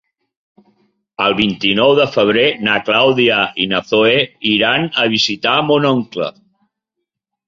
El vint-i-nou de febrer na Clàudia i na Zoè iran a visitar mon oncle.